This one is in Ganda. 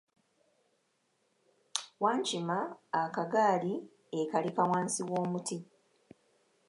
Wankima akagaali ekaleka wansi w'omuti.